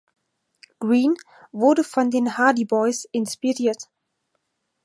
Green wurde von den Hardy Boyz inspiriert.